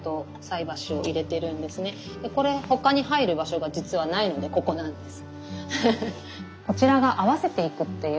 でこれ他に入る場所が実はないのでここなんです。